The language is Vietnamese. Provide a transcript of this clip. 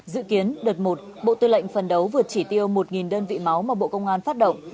dự kiến đợt một bộ tư lệnh phần đấu vượt chỉ tiêu một đơn vị máu mà bộ công an phát động